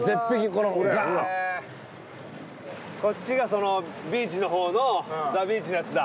このこっちがビーチの方の「ザ・ビーチ」のやつだ